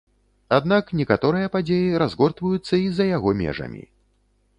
Аднак некаторыя падзеі разгортваюцца і за яго межамі.